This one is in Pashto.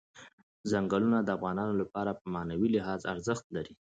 چنګلونه د افغانانو لپاره په معنوي لحاظ ارزښت لري.